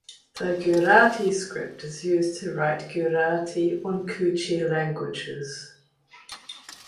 The Gujarati script is used to write the Gujarati and Kutchi languages.